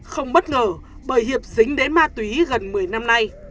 không bất ngờ bởi hiệp dính đến ma túy gần một mươi năm nay